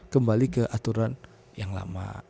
kembali ke aturan yang lama